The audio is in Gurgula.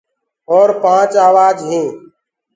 اور پآنچ آوآج هينٚ